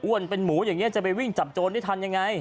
เป็นหมูอย่างนี้จะไปวิ่งจับโจรได้ทันยังไง